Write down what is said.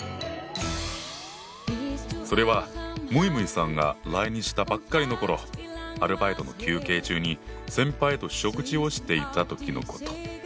それはむいむいさんが来日したばっかりの頃アルバイトの休憩中に先輩と食事をしていた時のこと。